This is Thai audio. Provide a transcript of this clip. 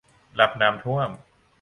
รับน้ำท่วม